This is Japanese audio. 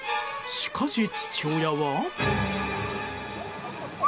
しかし、父親は。